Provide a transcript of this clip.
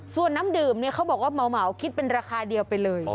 ส่วนน้ำดื่มเนี่ยเขาบอกว่าเหมาคิดเป็นราคาเดียวไปเลย